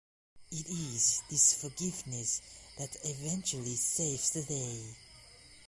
It is this forgiveness that eventually saves the day.